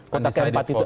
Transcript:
kota keempat itu